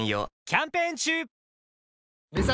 キャンペーン中！